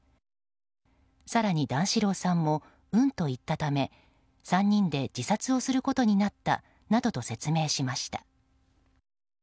更に、段四郎さんもうんと言ったため３人で自殺をすることになったなどと説明しました。